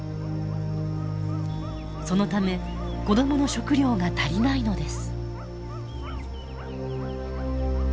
そのため子どもの食料が足りないのです。